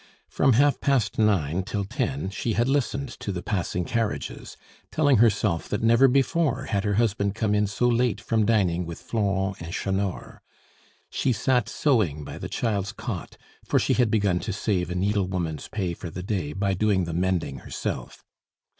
From half past nine till ten she had listened to the passing carriages, telling herself that never before had her husband come in so late from dining with Florent and Chanor. She sat sewing by the child's cot, for she had begun to save a needlewoman's pay for the day by doing the mending herself.